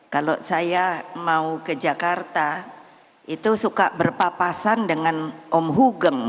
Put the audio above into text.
kalau saya mau ke jakarta itu suka berpapasan dengan om hugeng